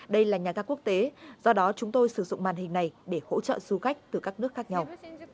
đây là nhà ga quốc tế do đó chúng tôi sử dụng màn hình này để hỗ trợ du khách từ các nước khác nhau